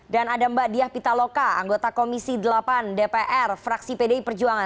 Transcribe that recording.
dan ada mbak diah pitaloka anggota komisi delapan dpr fraksi pdi perjuangan